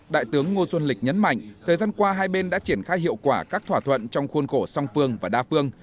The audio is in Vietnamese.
đại tướng ngô xuân lịch nhấn mạnh thời gian qua hai bên đã triển khai hiệu quả các thỏa thuận trong khuôn khổ song phương và đa phương